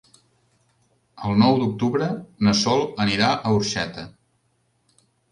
El nou d'octubre na Sol anirà a Orxeta.